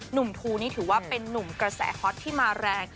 ทูนี่ถือว่าเป็นนุ่มกระแสฮอตที่มาแรง